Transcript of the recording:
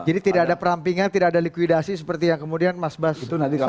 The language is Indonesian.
jadi tidak ada perampingan tidak ada likuidasi seperti yang kemudian mas bas sarankan